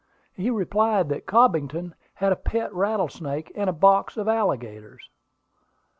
He replied that Cobbington had a pet rattlesnake and a box of alligators."